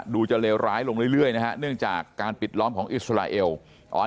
ดูจะเลวร้ายลงเรื่อยนะฮะเนื่องจากการปิดล้อมของอิสราเอล